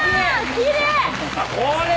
きれい！